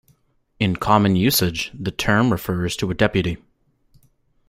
In common usage, the term refers to a deputy.